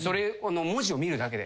文字を見るだけで。